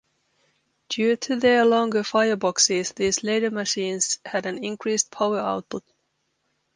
Due to their longer fireboxes these later machines had an increased power output.